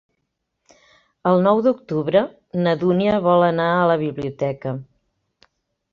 El nou d'octubre na Dúnia vol anar a la biblioteca.